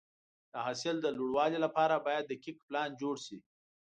د حاصل د لوړوالي لپاره باید دقیق پلان جوړ شي.